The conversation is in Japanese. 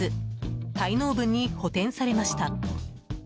滞納分に補填されました。